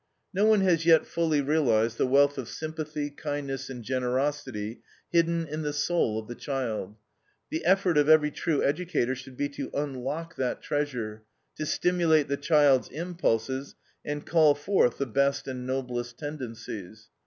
"No one has yet fully realized the wealth of sympathy, kindness, and generosity hidden in the soul of the child. The effort of every true educator should be to unlock that treasure to stimulate the child's impulses, and call forth the best and noblest tendencies.